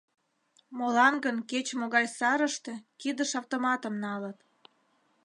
Молан гын кеч-могай сарыште кидыш автоматым налыт?